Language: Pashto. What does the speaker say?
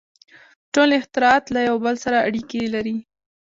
• ټول اختراعات له یو بل سره اړیکې لري.